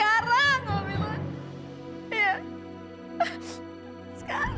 percintaiku assemblingi personal terakhir